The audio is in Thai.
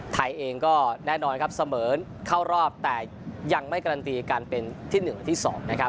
ไทยเองก็แน่นอนครับเสมอเข้ารอบแต่ยังไม่การันตีกันเป็นที่๑และที่๒นะครับ